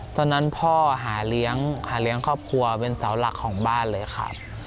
ตอนนั้นพ่อหาเลี้ยงครอบครัวเป็นเสาหลักของบ้านเลยครับ